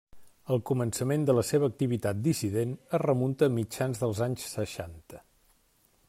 El començament de la seva activitat dissident es remunta a mitjans dels anys seixanta.